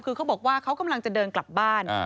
คือเขาบอกว่าเขากำลังจะเดินกลับบ้าน